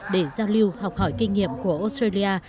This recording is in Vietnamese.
để giao lưu học hỏi kinh nghiệm của australia